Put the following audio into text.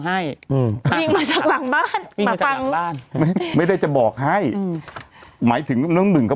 ให้อืมยิงมาจากหลังบ้านมาฝั่งบ้านไม่ไม่ได้จะบอกให้อืมหมายถึงน้องหนึ่งก็